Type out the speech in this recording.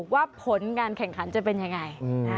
ว่าผลการแข่งขันจะเป็นยังไง